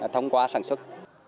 thông qua sản xuất